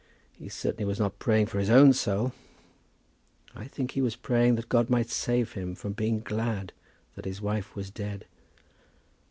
He certainly was not praying for his own soul. I think he was praying that God might save him from being glad that his wife was dead.